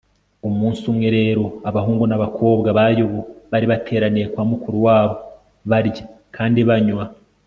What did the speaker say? umunsi umwe rero, abahungu n'abakobwa ba yobu bari bateraniye kwa mukuru wabo, barya kandi banywa